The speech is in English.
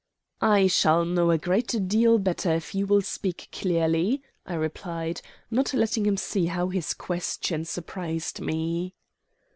"I shall know a great deal better if you will speak clearly," I replied, not letting him see how his question surprised me.